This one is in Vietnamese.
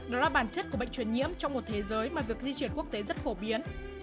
đó là bản chất của bệnh truyền nhiễm trong một thế giới mà việc di chuyển quốc tế rất phổ biến